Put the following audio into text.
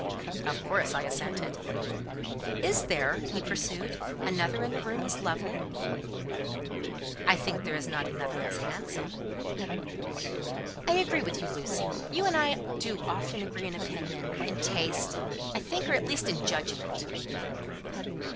Of course I assented. "Is there," he pursued, "another in the room as lovely?" "I think there is not another as handsome." "I agree with you, Lucy: you and I do often agree in opinion, in taste, I think; or at least in judgment."